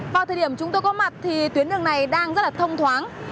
vào thời điểm chúng tôi có mặt thì tuyến đường này đang rất là thông thoáng